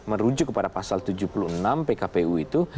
merujuk kepada pasal tujuh puluh enam pkpu itu